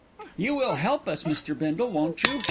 "You will help us, Mr. Bindle, won't you?"